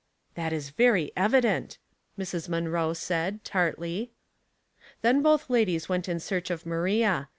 " That is very evident," Mrs. Munroe said, tartly. Then both ladies went in search of Maria.